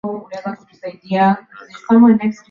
na mafunzo hayo kuhusu lengo hili